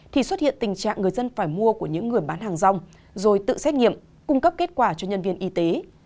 thì xuất hiện tình trạng người dân phải mua của những người bán hàng rong rồi tự xét nghiệm cung cấp kết quả cho nhân viên y tế